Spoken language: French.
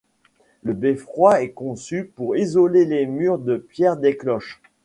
Le beffroi est conçu pour isoler les murs de pierre des cloches.